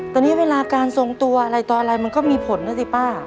แต่นี่เวลาการทรงตัวอะไรต่ออะไรมันก็มีผลนะสิป้า